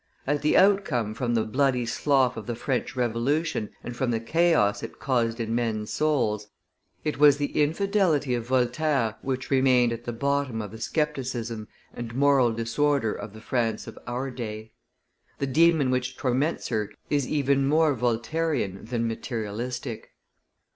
At the outcome from the bloody slough of the French Revolution and from the chaos it caused in men's souls, it was the infidelity of Voltaire which remained at the bottom of the scepticism and moral disorder of the France of our day. The demon which torments her is even more Voltairian than materialistic.